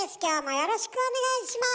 よろしくお願いします。